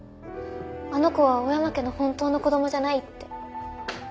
あの子は大山家の本当の子供じゃないって。